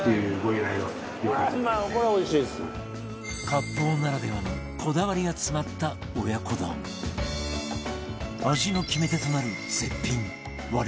割烹ならではのこだわりが詰まった親子丼味の決め手となる絶品割下